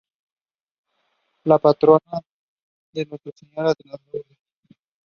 He fought with the regiment on the Northern Front and was wounded four times.